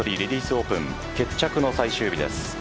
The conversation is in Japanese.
オープン決着の最終日です。